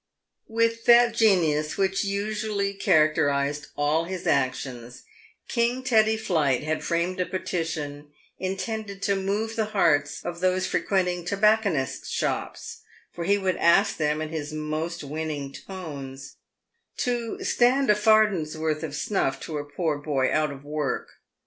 With that genius which usually characterised all his actions, King Teddy Flight had framed a petition intended to move the hearts of those frequenting tobacconists' shops, for he would ask them, in his most winning tones, " to stand a far den's worth of snuff to a poor boy out of work."